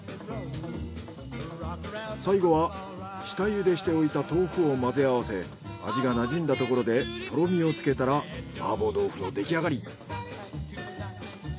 最後は下ゆでしておいた豆腐を混ぜ合わせ味がなじんだところでとろみをつけたら麻婆豆腐のできあがり。